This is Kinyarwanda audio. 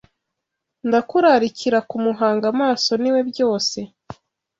Ndakurarikira kumuhanga amaso niwe byose